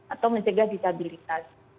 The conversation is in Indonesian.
atau mencegah disabilitas